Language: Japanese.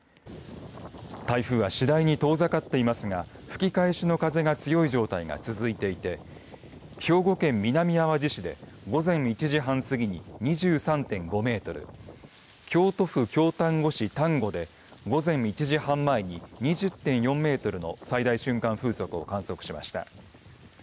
台風は次第に遠ざかっていますが吹き返しの風が強い状態が続いていて兵庫県南あわじ市で午前１時半過ぎに２３．５メートル京都府京丹後市丹後で午前１時半前に２０．４メートルの最大瞬間風速を観測しました。